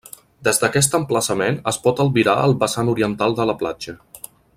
Des d'aquest emplaçament es pot albirar el vessant oriental de la platja.